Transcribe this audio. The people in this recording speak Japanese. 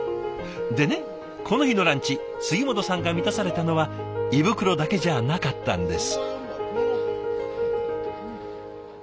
でねこの日のランチ杉本さんが満たされたのは胃袋だけじゃなかったんです。